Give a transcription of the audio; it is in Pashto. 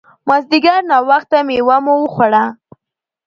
مازیګر ناوخته مېوه مو وخوړه.